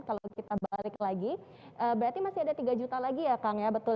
kalau kita balik lagi berarti masih ada tiga juta lagi ya kang ya betul